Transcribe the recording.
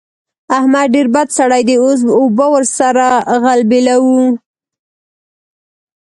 احمد ډېر بد سړی دی؛ اوس اوبه ور سره غلبېلوو.